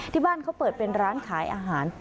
ที่บ้านเขาเปิดเป็นร้านขายอาหาร